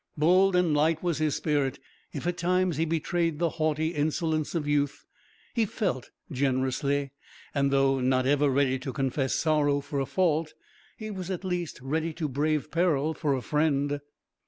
Bold and light was his spirit; if at times he betrayed the haughty insolence of youth, he felt generously, and though not ever ready to confess sorrow for a fault, he was at least ready to brave peril for a friend.